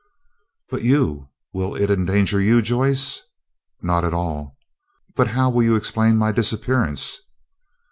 "But you—will it endanger you, Joyce?" "Not at all!" "But how will you explain my disappearance?"